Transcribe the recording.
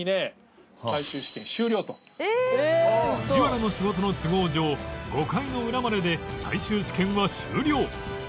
藤原の仕事の都合上５回の裏までで最終試験は終了